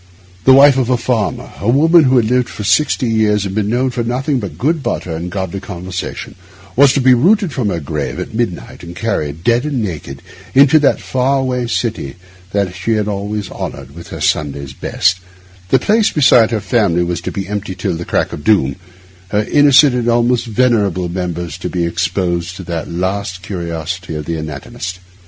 The wife of a farmer, a woman who had lived for sixty years, and been known for nothing but good butter and a godly conversation, was to be rooted from her grave at midnight and carried, dead and naked, to that far away city that she had always honoured with her Sunday's best; the place beside her family was to be empty till the crack of doom; her innocent and almost venerable members to be exposed to that last curiosity of the anatomist.